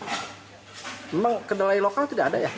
memang kedelai lokal tidak ada ya